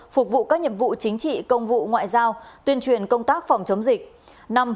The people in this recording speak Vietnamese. phục vụ các nhiệm vụ chính trị công vụ ngoại giao tuyên truyền công tác phòng chống dịch